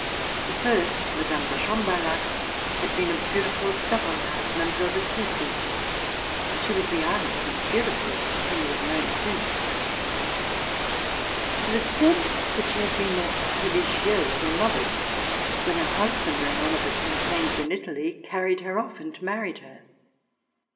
The first, Mme. de Chambarlhac, had been a beautiful Savoyarde, Mile, de Coucy. She was the aunt of Monsieur de Coucy whom we have known since. It was said that she had been a religteuse or novice when her husband, during one of the campaigns in Italy, carried her off and married her.